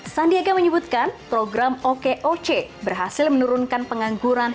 sandiaga menyebutkan program okoc berhasil menurunkan pengangguran